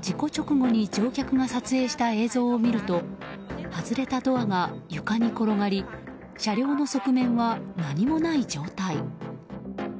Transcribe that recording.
事故直後に乗客が撮影した映像を見ると外れたドアが床に転がり車両の側面は何もない状態。